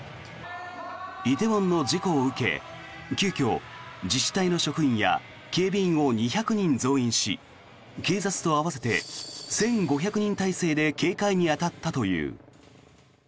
梨泰院の事故を受け急きょ、自治体の職員や警備員を２００人増員し警察と合わせて１５００人態勢で警戒に当たったという。